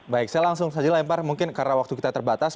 baik saya langsung saja lempar mungkin karena waktu kita terbatas